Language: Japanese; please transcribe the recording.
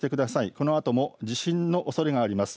このあとも地震のおそれがあります。